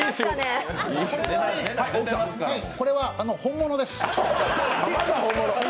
これは、本物です。